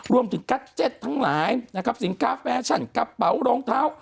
รวมถึงกัจเจ็ดทั้งหลายสินค้าแฟชั่นกระเป๋ารองเท้า